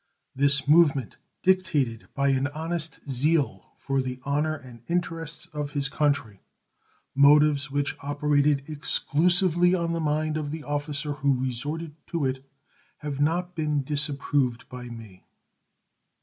This movement, dictated by an honest zeal for the honor and interests of his country motives which operated exclusively on the mind of the officer who resorted to it has not been disapproved by me.